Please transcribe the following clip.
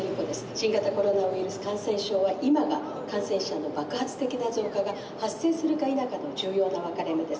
新型コロナウイルス感染症は今が感染者の爆発的な増加が発生するか否かの重要な分かれ目です。